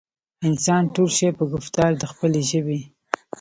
انسان تول شي پۀ ګفتار د خپلې ژبې